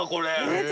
えっ！